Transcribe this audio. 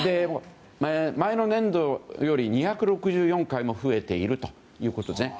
前の年度より２６４回も増えているということですね。